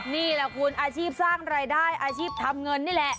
นี่แหละคุณอาชีพสร้างรายได้อาชีพทำเงินนี่แหละ